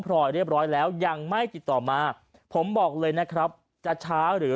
รอยเรียบร้อยแล้วยังไม่ติดต่อมาผมบอกเลยนะครับจะช้าหรือ